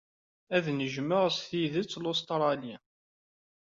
Ad neǧmeɣ s tidett Lustṛali.